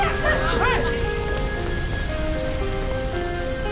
はい！